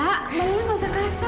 mbak lila gak usah kerasa